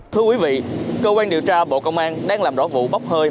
thưa quý vị cơ quan điều tra bộ công an đang làm rõ vụ bóc hơi